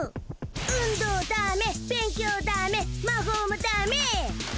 運動ダメ勉強ダメ魔法もダメ！